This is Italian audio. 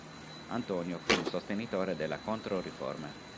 Antonio fu un sostenitore della Controriforma.